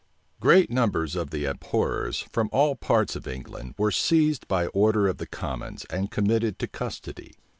Great numbers of the abhorrers, from all parts of England, were seized by order of the commons, and committed to custody.